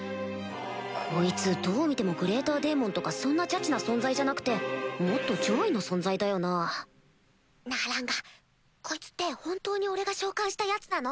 こいつどう見てもグレーターデーモンとかそんなちゃちな存在じゃなくてもっと上位の存在だよななぁランガこいつって本当に俺が召喚したヤツなの？